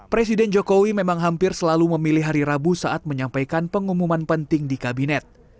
presiden jokowi memang hampir selalu memilih hari rabu saat menyampaikan pengumuman penting di kabinet